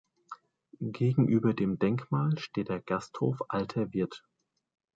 Gegenüber dem Denkmal steht der Gasthof Alter Wirt.